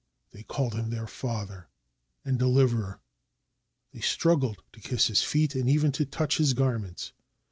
They called him their father and de liverer. They struggled to kiss his feet and even to touch his garments.